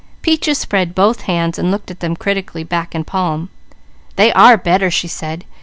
Peaches spread both hands, looking at them critically, back and palm. "They are better," she said.